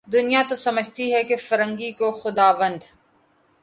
دنیا تو سمجھتی ہے فرنگی کو خداوند